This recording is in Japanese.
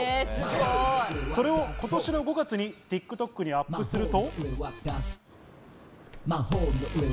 それを今年の５月にＴｉｋＴｏｋにアップすると。